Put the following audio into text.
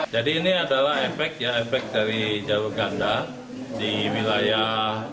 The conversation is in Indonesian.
jadi ini adalah efek dari jarur ganda di wilayah